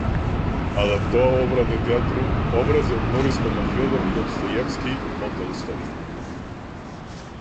Adaptó a obra de teatro obras de autores como Fiódor Dostoyevski o Tolstói.